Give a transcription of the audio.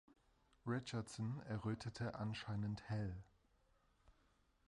Richardson errötete anscheinend hell.